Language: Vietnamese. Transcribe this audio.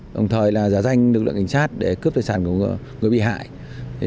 đồng thời là giả danh lực lượng cảnh sát để cướp tài sản của người bị hại